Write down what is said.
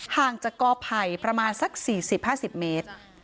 ห่างจากกอไผ่ประมาณสัก๔๐๕๐เมตร